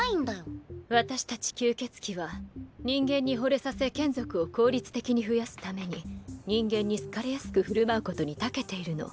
私たち吸血鬼は人間にほれさせ眷属を効率的に増やすために人間に好かれやすく振る舞うことにたけているの。